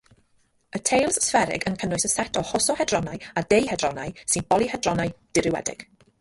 Y teils sfferig yn cynnwys y set o hosohedronau a deuhedronau sy'n bolyhedronau dirywiedig.